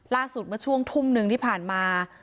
ล่าสุดเมื่อช่วงทุ่มหนึ่งที่ผ่านมา